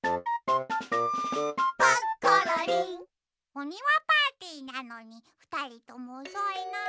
おにわパーティーなのにふたりともおそいな。